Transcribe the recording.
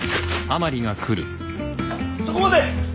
そこまで！